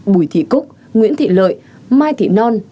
bùi thị cúc nguyễn thị lợi mai thị non